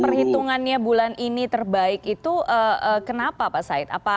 perhitungannya bulan ini terbaik itu kenapa pak said